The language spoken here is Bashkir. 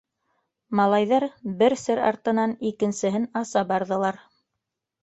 Малайҙар бер сер артынан икенсеһен аса барҙылар.